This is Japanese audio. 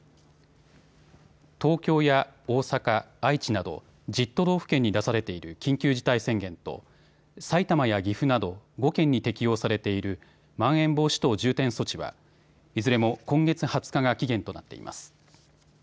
東京や大阪、愛知など１０都道府県に出されている緊急事態宣言と埼玉や岐阜など５県に適用されているまん延防止等重点措置はいずれも今月２０日が期限となっています。